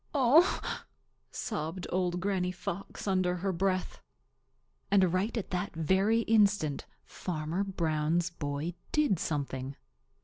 "Oh!" sobbed Old Granny Fox under her breath. And right at that very instant Farmer Brown's boy did something.